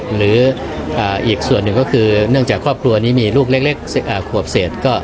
หรืออีกส่วนหนึ่งก็คือเนื่องจากครอบครัวนี้มีลูกเล็กขวบเศษ